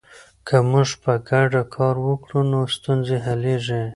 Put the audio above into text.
که موږ په ګډه کار وکړو نو ستونزې حلیږي.